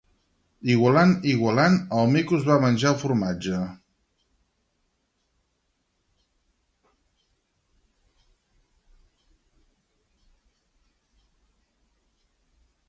Igualant, igualant, el mico es va menjar el formatge.